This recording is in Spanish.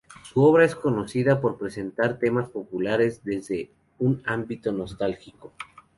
Su obra es conocida por presentar temas populares desde un ámbito nostálgico.